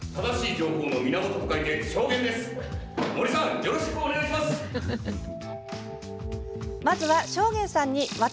森さんよろしくお願いします！